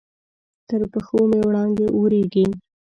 تر پښو مې وړانګې اوریږې